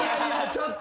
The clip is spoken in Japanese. ちょっと。